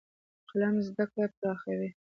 قلم زده کړه پراخوي.